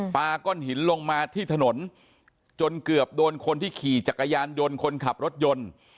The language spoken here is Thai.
ก้อนหินลงมาที่ถนนจนเกือบโดนคนที่ขี่จักรยานยนต์คนขับรถยนต์